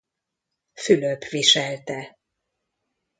Fülöp viselte.